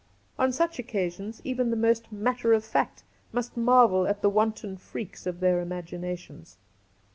On such occasions even the most matter of fact must marvel at the wanton freaks of their imaginations.